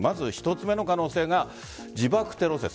１つ目の可能性が自爆テロ説。